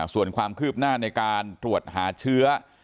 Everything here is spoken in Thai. ส่วนความคืบหน้าในการตรวจหาเชื้อ